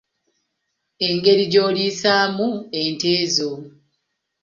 Engeri gy’oliisaamu ente zo.